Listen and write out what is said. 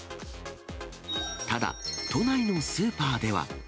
ただ、都内のスーパーでは。